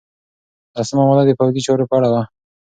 لسمه ماده د پوځي چارو په اړه وه.